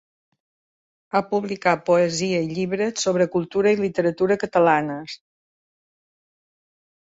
Ha publicat poesia i llibres sobre cultura i literatura catalanes.